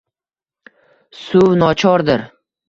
Suv nochordir